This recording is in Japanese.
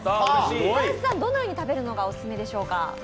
林さん、どのように食べるのがオススメでしょうか？